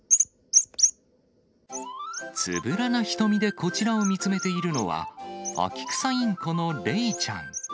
つぶらな瞳でこちらを見つめているのは、アキクサインコのレイちゃん。